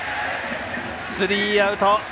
スリーアウト。